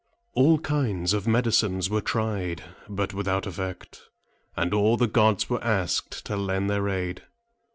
All kinds of medicines were tried, but without effect; and all the gods were asked to lend their aid.